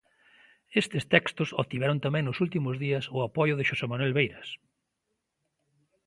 Estes textos obtiveron tamén nos últimos días o apoio de Xosé Manuel Beiras.